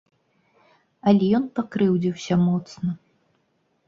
Але ён пакрыўдзіўся моцна.